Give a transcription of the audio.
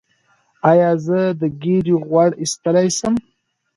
ایا زه د ګیډې غوړ ایستلی شم؟